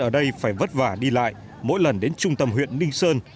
ở đây phải vất vả đi lại mỗi lần đến trung tâm huyện ninh sơn